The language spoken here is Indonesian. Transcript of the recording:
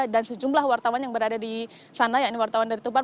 dan sejumlah wartawan yang berada di sana yakni wartawan dari tubar